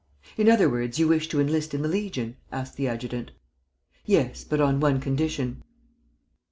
"In other words, you wish to enlist in the Legion?" asked the adjutant. "Yes, but on one condition."